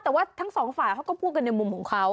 แต่ว่าทั้งสองฝ่ายเขาก็พูดกันในมุมของเขา